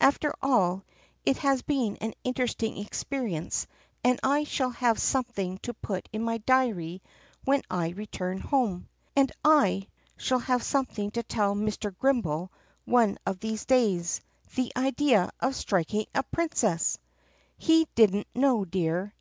After all, it has been an interesting experience and I shall have something to put in my diary when I return home." "And / shall have something to tell Mr. Grummbel one of these days. The idea of striking a princess!" "He did n't know, dear.